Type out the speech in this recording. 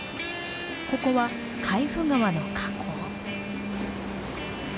ここは海部川の河口。